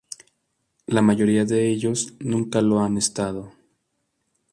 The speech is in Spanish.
La mayoría de ellos nunca lo han estado.